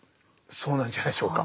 そうなんじゃないでしょうか。